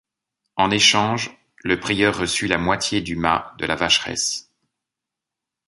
En échange, le prieur reçut la moitié du mas de la Vacheresse.